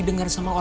aku gak bisa tidur